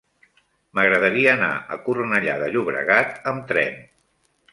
M'agradaria anar a Cornellà de Llobregat amb tren.